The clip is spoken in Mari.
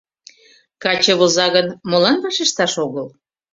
— Каче воза гын, молан вашешташ огыл?